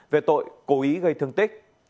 về tội cố ý gây thương tích